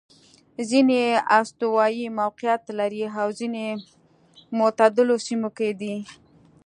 ځیني یې استوايي موقعیت لري او ځیني معتدلو سیمو کې دي.